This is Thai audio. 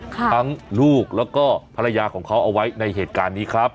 ทั้งลูกแล้วก็ภรรยาของเขาเอาไว้ในเหตุการณ์นี้ครับ